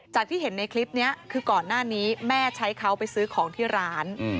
ที่เห็นในคลิปนี้คือก่อนหน้านี้แม่ใช้เขาไปซื้อของที่ร้าน